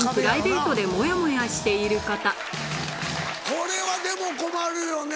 これはでも困るよね。